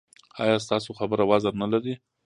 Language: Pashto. ایا ستاسو خبره وزن نلري؟